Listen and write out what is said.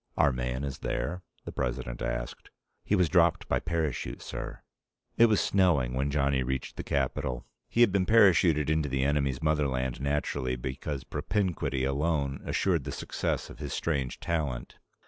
"Our man is there?" the President asked. "He was dropped by parachute, sir!" It was snowing when Johnny reached the capital. He had been parachuted into the enemy's motherland, naturally, because propinquity alone assured the success of his strange talent.